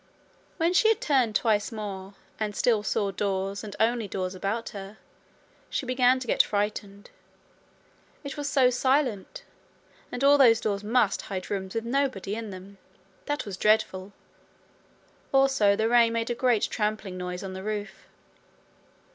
When she had turned twice more, and still saw doors and only doors about her, she began to get frightened. It was so silent! And all those doors must hide rooms with nobody in them! That was dreadful. Also the rain made a great trampling noise on the roof.